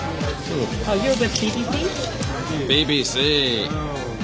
ＢＢＣ！